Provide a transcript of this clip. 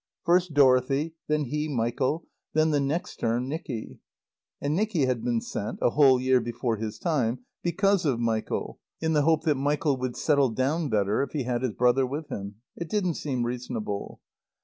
First Dorothy; then, he, Michael; then, the next term, Nicky. And Nicky had been sent (a whole year before his time) because of Michael, in the hope that Michael would settle down better if he had his brother with him. It didn't seem reasonable.